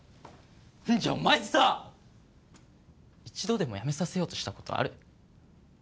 じゃあお前さ一度でもやめさせようとしたことある？